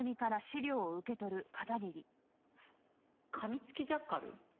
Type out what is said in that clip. かみつきジャッカル？